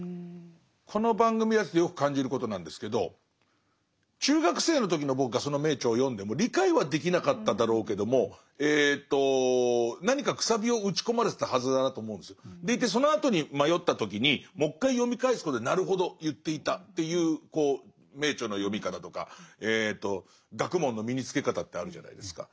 この番組やっててよく感じることなんですけど中学生の時の僕がその名著を読んでも理解はできなかっただろうけどもでいてそのあとに迷った時にもう一回読み返すことでなるほど言っていたっていう名著の読み方とか学問の身につけ方ってあるじゃないですか。